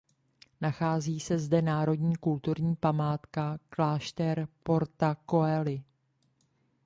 Nachází se zde národní kulturní památka klášter Porta coeli.